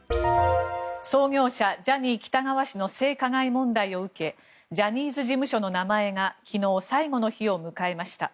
創業者・ジャニー喜多川氏の性加害問題を受けジャニーズ事務所の名前が昨日、最後の日を迎えました。